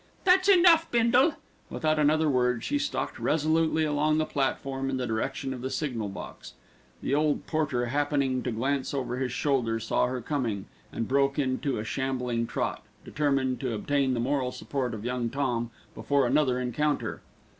"That's enough, Bindle." Without another word she stalked resolutely along the platform in the direction of the signal box. The old porter happening to glance over his shoulder saw her coming, and broke into a shambling trot, determined to obtain the moral support of Young Tom before another encounter.